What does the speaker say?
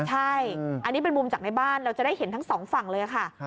ใช่อันนี้เป็นมุมจากในบ้านเราจะได้เห็นทั้งสองฝั่งเลยค่ะ